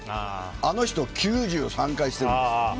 あの人、９３回してるんです。